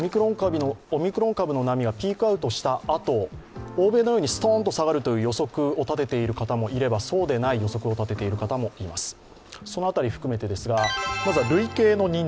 オミクロン株の波がピークアウトしたあと、欧米のようにストーンと下がる予測を立てている方もいればそうでない予測を立てている方もいます。